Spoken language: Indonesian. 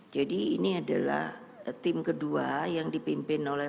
jadi ini adalah tim kedua yang dipimpin oleh